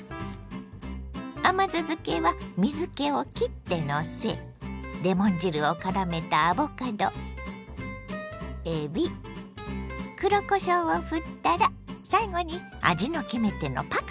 甘酢漬けは水けをきってのせレモン汁をからめたアボカドえび黒こしょうをふったら最後に味の決め手のパクチーです。